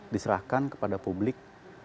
diserahkan kepada publik